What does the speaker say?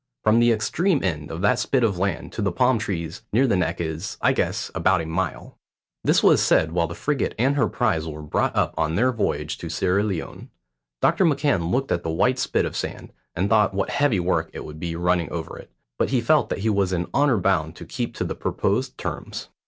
From the extreme end of that spit of land to the palm trees near the neck is, I guess, about a mile." This was said while the frigate and her prize were brought up on their voyage to Sierra Leone. Doctor McCan looked at the white spit of sand, and thought what heavy work it would be running over it; but he felt that he was in honour bound to keep to the proposed terms.